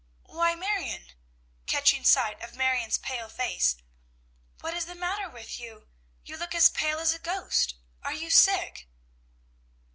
"Why, Marion!" catching sight of Marion's pale face, "what is the matter with you? You look as pale as a ghost. Are you sick?"